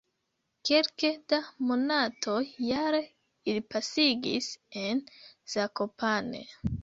Kelke da monatoj jare ili pasigis en Zakopane.